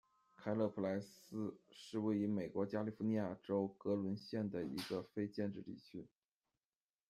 凯勒普莱斯是位于美国加利福尼亚州格伦县的一个非建制地区。